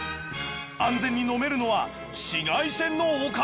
安全に飲めるのは紫外線のおかげだった！？